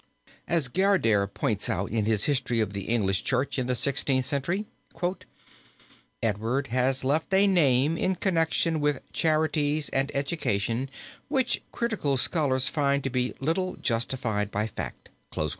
As Gairdner points out in his History of the English Church in the Sixteenth Century, "Edward has left a name in connection with charities and education which critical scholars find to be little justified by fact."